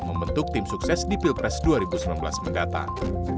membentuk tim sukses di pilpres dua ribu sembilan belas mendatang